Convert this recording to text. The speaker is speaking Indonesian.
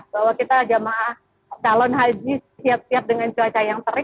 bahwa kita jamaah calon haji siap siap dengan cuaca yang terik